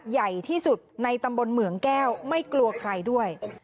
ใหญ่ที่สุดในตำบลเหมืองแก้วไม่กลัวใครด้วย